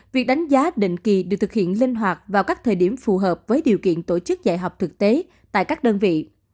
việc đánh giá định kỳ được thực hiện linh hoạt vào các thời điểm phù hợp với điều kiện tổ chức dạy học thực tế tại các đơn vị